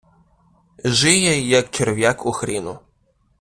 Жиє, як черв'як у хріну.